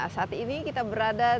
saat ini kita berisikkan